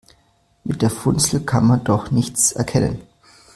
Mit der Funzel kann man doch nichts erkennen.